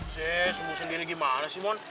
si sembuh sendiri gimana sih mohon